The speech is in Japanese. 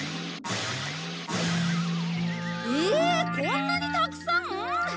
ええっこんなにたくさん！？